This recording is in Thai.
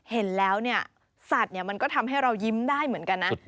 เห็นแล้วเนี่ยสัตว์มันก็ทำให้เรายิ้มได้เหมือนกันนะ